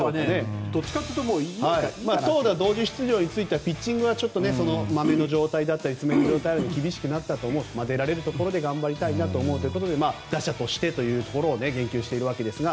投打同時出場についてはピッチングはまめの状態だったり爪の状態で厳しくなったと思う出られるところで頑張りたいと思うということで打者としてというところを言及しているわけですが。